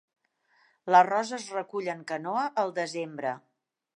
L'arròs es recull en canoa al desembre.